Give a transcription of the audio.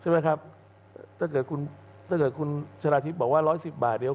นะครับถ้าเกิดคุณถ้าเกิดคุณบอกว่าร้อยสิบบาทเดี๋ยว